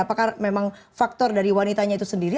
apakah memang faktor dari wanitanya itu sendiri